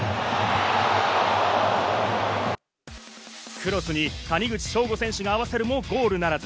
クロスに谷口彰悟選手が合わせるもゴールならず。